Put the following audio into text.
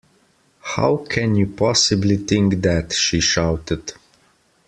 How can you possibly think that? she shouted